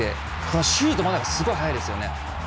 このシュートまでがすごい速いですよね。